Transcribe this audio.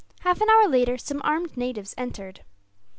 Half an hour later, some armed natives entered.